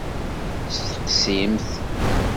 Steqsimt!